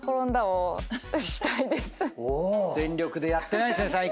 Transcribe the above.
全力でやってないですね